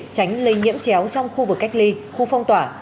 tránh lây nhiễm chéo trong khu vực cách ly khu phong tỏa